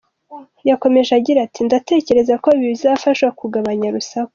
Yakomeje agira ati “Ndatekereza ko ibi bizafasha mu kugabanya urusaku.